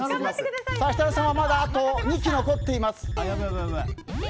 設楽さんはまだあと２機残っています。